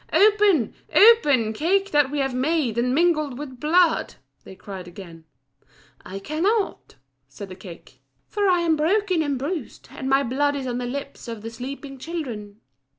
"Open, open, cake that we have made and mingled with blood!" they cried again. "I cannot," said the cake, "for I am broken and bruised, and my blood is on the lips of the sleeping children."